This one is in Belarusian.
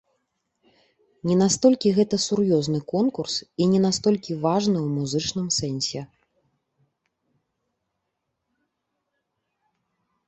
Не настолькі гэта сур'ёзны конкурс і не настолькі важны ў музычным сэнсе.